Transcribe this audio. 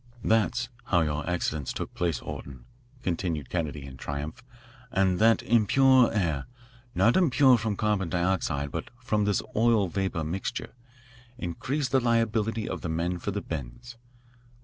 "That's how your accidents took place, Orton," concluded Kennedy in triumph, "and that impure air not impure from carbon dioxide, but from this oil vapour mixture increased the liability of the men for the bends.